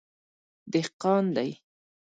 _دهقان دی.